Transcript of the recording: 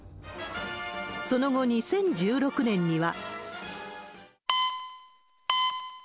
その後、２０１６年には。